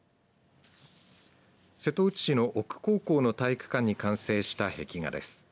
瀬戸内市の邑久高校の体育館に完成した壁画です。